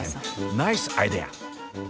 ナイスアイデア！